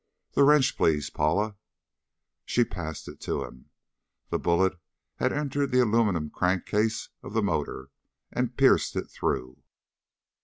"The wrench, please, Paula." She passed it to him. The bullet had entered the aluminum crankcase of the motor and pierced it through.